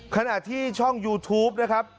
ขณะที่ช่องยูทูปนะครับ